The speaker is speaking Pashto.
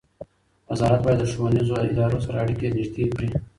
وزارت باید د ښوونیزو ادارو سره اړیکې نږدې کړي.